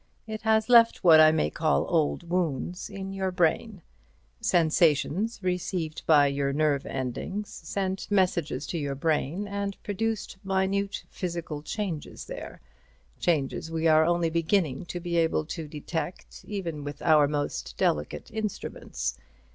It has left what I may call old wounds in your brain. Sensations received by your nerve endings sent messages to your brain, and produced minute physical changes there—changes we are only beginning to be able to detect, even with our most delicate instruments.